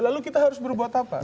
lalu kita harus berbuat apa